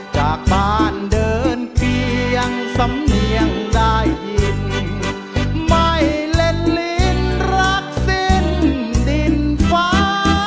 จากบ้านเดินเพียงสำเนียงได้ยินไม่เล่นลิ้นรักสิ้นดินฟ้า